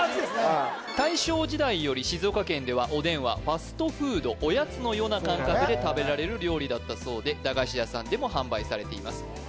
うん大正時代より静岡県ではおでんはファストフードおやつのような感覚で食べられる料理だったそうで駄菓子屋さんでも販売されています